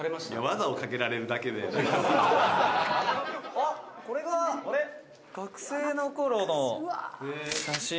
「あっこれが学生の頃の写真という事で」